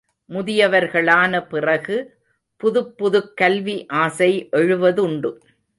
முதியவர்களான பிறகு, புதுப்புதுக் கல்வி ஆசை எழுவதுண்டு.